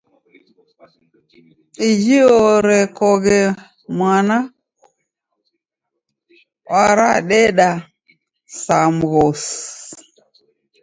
Iji orekoghe mwana, waradeda sa mghosi!